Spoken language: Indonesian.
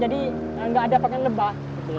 jadi tidak ada pakaian lebah